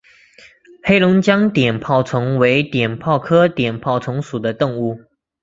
黑龙江碘泡虫为碘泡科碘泡虫属的动物。